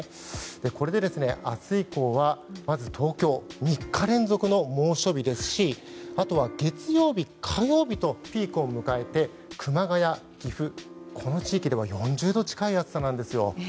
これで明日以降東京は３日連続の猛暑日ですしあとは月曜日、火曜日とピークを迎えて熊谷、岐阜とこの地域では４０度近い暑さなんですよ。